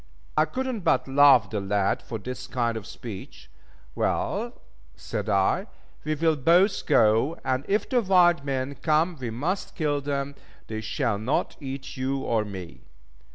I could not but love the lad for this kind speech. "Well," said I, "we will both go, and if the wild men come we must kill them, they shall not eat you or me."